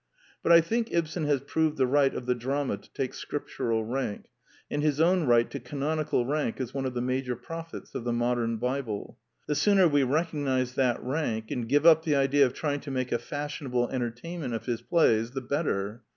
But I think Ibsen has proved the right of the drama to take scriptural rank, and his own right to canonical rank as one of the major prophets of the modern Bible. The sooner we recognize that rank and give up the idea of trying to make a fashionable entertainment of his plays the bet ter.